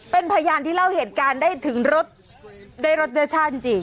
เป็นพยานที่เล่าเหตุการณ์ได้ถึงรสได้รสเนื้อชาติจริง